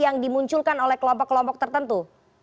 yang dimunculkan oleh kelompok kelompok tertentu